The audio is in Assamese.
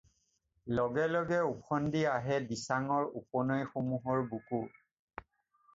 লগে লগে ওফন্দি আহে দিচাংৰ উপনৈসমূহৰ বুকু।